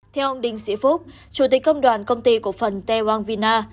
theo ông đinh sĩ phúc chủ tịch công đoàn công ty cổ phần tewang vina